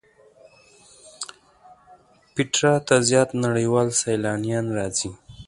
پېټرا ته زیات نړیوال سیلانیان راځي.